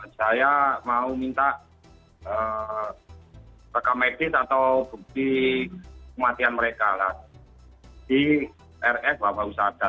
saya mau minta peka medis atau bukti kematian mereka di rs bapak usada